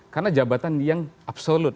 karena jabatan yang absolut